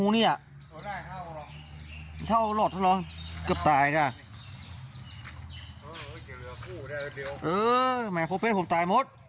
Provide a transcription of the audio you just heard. นี่นะคะ